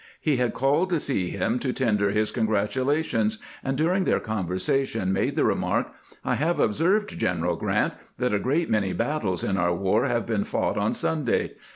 He had called to see him to tender his congratulations, and during their conver sation made the remark: "I have observed, G eneral Grrant, that a great many battles in our war have been fought on Sunday.